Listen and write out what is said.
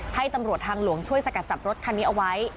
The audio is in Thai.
ให้ตำรวจทางหลวงช่วยสกัดจับรถคันนี้เอาไว้